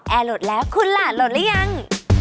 แอร์โหลดแล้วคุณล่ะโหลดแล้วยัง